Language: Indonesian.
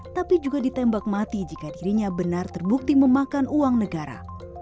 tapi juga ditembak mati jika dirinya benar terbukti memakan uang negara